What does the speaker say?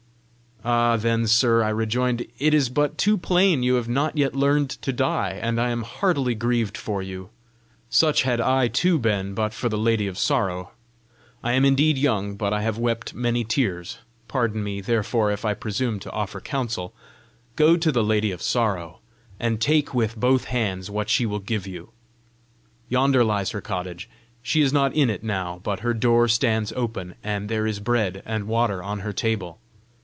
"Ah, then, sir," I rejoined, "it is but too plain you have not yet learned to die, and I am heartily grieved for you. Such had I too been but for the Lady of Sorrow. I am indeed young, but I have wept many tears; pardon me, therefore, if I presume to offer counsel: Go to the Lady of Sorrow, and 'take with both hands' * what she will give you. Yonder lies her cottage. She is not in it now, but her door stands open, and there is bread and water on her table.